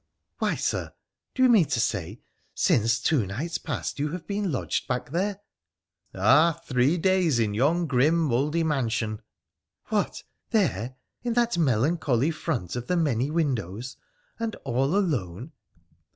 ' Why, Sir ! Do you mean to say since two nights past you have been lodged back there ?'' Ah ! three days, in yon grim, mouldy mansion.' ' What ! there, in that melancholy front of the many windows — and all alone?